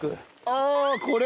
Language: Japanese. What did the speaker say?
ああこれ？